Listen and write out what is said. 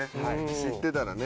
知ってたらね。